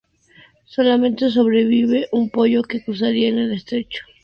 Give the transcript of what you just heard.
Solamente sobrevive un pollo que cruzará el estrecho de Gibraltar con sus padres.